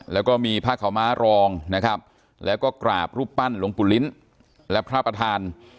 แล้วก็มีผ้าขาวม้ารองนะครับแล้วก็กราบรูปปั้นหลวงปู่ลิ้นและพระประธาน